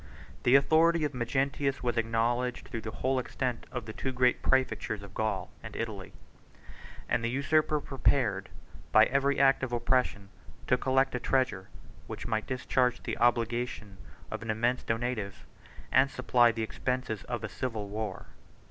The authority of Magnentius was acknowledged through the whole extent of the two great præfectures of Gaul and Italy; and the usurper prepared, by every act of oppression, to collect a treasure, which might discharge the obligation of an immense donative, and supply the expenses of a civil war.